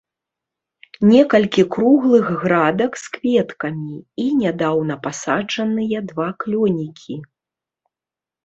Некалькі круглых градак з кветкамі, і нядаўна пасаджаныя два клёнікі.